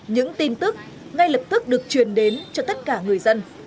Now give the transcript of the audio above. những tin tức ngay lập tức được truyền đến cho tất cả người dân